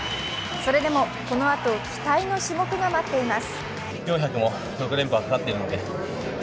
それでもこのあと、期待の種目が待っています。